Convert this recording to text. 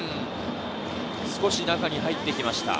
少し中に入ってきました。